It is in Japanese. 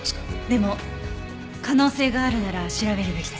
でも可能性があるなら調べるべきです。